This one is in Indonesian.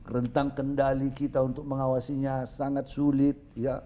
rentang kendali kita untuk mengawasinya sangat sulit